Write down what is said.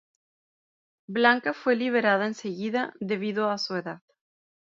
Blanca fue liberada enseguida debido a su edad.